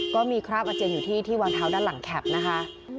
ก็มีคราบอาเจียนอยู่ที่ที่วางเท้าด้านหลังแคปนะคะ